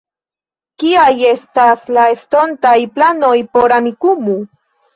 Kiaj estas la estontaj planoj por Amikumu?